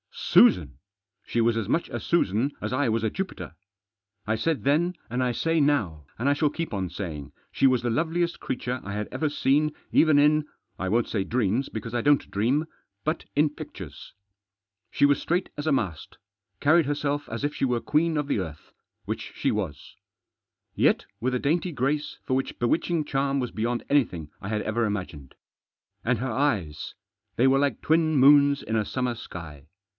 Susan ! She was as much a Susan as I was a Jupiter. I said then, and I say now, and I shall keep on saying, she was the loveliest creature I had ever seen even in — I won't say dreams, because I don't dream — but in pictures. She was straight as a mast. Carried 16 Digitized by 242 THE JOSS. herself as if she were queen of the earth ; which she was. Yet with a dainty grace which for bewitching charm was beyond anything I had ever imagined. And her eyes! They were like twin moons in a summer sky.